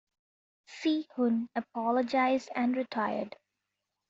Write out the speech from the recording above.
Si-Hun apologized and retired.